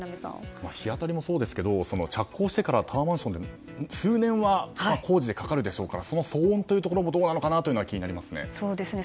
日当たりもそうですが着工してからタワーマンションって数年は工事でかかるでしょうから騒音もどうなのかなというところも気になりますね。